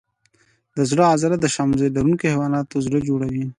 د زړه عضله د شمزۍ لرونکو حیواناتو زړه جوړوي.